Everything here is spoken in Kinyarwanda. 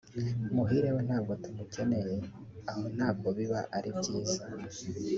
Muhire we ntabwo tumukeneye…’ aho ntabwo biba ari byiza